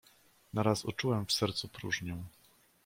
"Naraz uczułem w sercu próżnię."